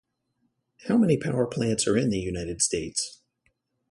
How many power plants are in the United States?